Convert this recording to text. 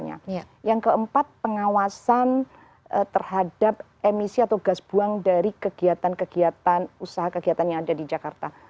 yang keempat pengawasan terhadap emisi atau gas buang dari kegiatan kegiatan usaha kegiatan yang ada di jakarta